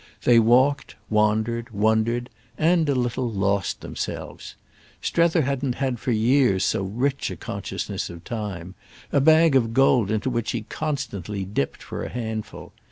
They walked, wandered, wondered and, a little, lost themselves; Strether hadn't had for years so rich a consciousness of time—a bag of gold into which he constantly dipped for a handful.